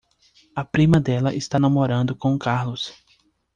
A prima dela está namorando com o Carlos.